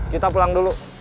kita pulang dulu